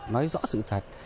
nói rõ sự thật